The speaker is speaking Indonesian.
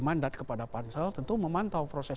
mandat kepada pansel tentu memantau proses